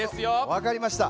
わかりました。